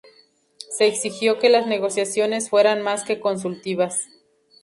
Se exigió que las negociaciones fueran más que consultivas.